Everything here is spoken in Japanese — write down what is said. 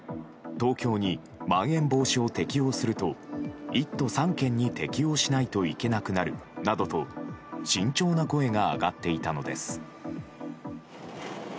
東京に、まん延防止を適用すると１都３県に適用しないといけなくなるなどと慎重な声が上がっていたのです。